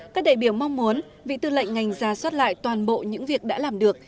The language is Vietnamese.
các đại biểu mong muốn vị tư lệnh ngành ra soát lại toàn bộ những việc đã làm được